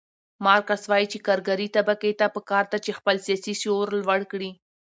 مارکس وایي چې کارګرې طبقې ته پکار ده چې خپل سیاسي شعور لوړ کړي.